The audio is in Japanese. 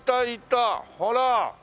ほら。